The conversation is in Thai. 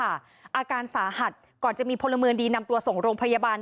อาการสาหัสก่อนจะมีพลเมืองดีนำตัวส่งโรงพยาบาล